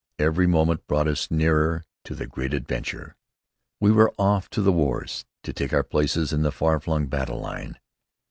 Every moment brought us nearer to the great adventure. We were "off to the wars," to take our places in the far flung battle line.